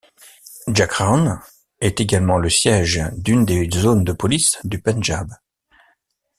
Jagraon est également le siège d'une des zones de police du Pendjab.